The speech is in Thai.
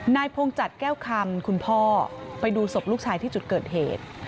พงจัดแก้วคำคุณพ่อไปดูศพลูกชายที่จุดเกิดเหตุ